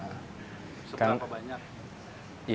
ya untuk ngembalikin modal kemarin sih udah cukup gitu